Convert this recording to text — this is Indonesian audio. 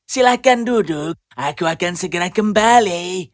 silahkan duduk aku akan segera kembali